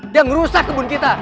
dia ngerusak kebun kita